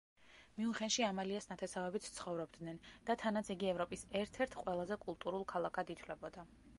მიუნხენში ამალიას ნათესავებიც ცხოვრობდნენ და თანაც იგი ევროპის ერთ-ერთ ყველაზე კულტურულ ქალაქად ითვლებოდა.